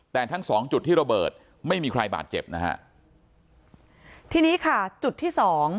แต่ทั้งสองจุดที่ระเบิดไม่มีใครบาดเจ็บนะฮะทีนี้ค่ะจุดที่สอง